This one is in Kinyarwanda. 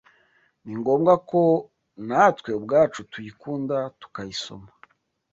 ni ngombwa ko natwe ubwacu tuyikunda tukayisoma.